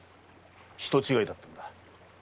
人違いだったのだ。